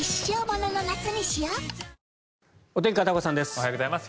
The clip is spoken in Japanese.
おはようございます。